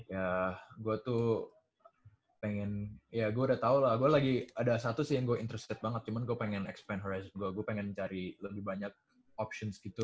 ya gua tuh pengen ya gua udah tau lah gua lagi ada satu sih yang gua interested banget cuman gua pengen expand horizon gua gua pengen cari lebih banyak options gitu